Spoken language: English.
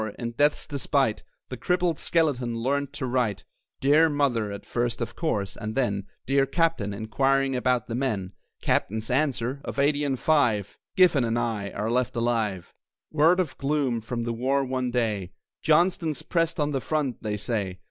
in death's despite The crippled skeleton learned to write. "Dear Mother," at first of course; and then "Dear Captain," inquiring about "the men." Captain's answer: "Of eighty and five, Giffen and I are left alive." Word of gloom from the war one day: "Johnston's pressed at the front, they say!"